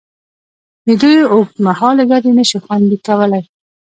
د دوی اوږدمهالې ګټې نشي خوندي کولې.